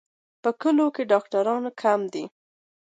په کلیو کې ډاکټران کم دي.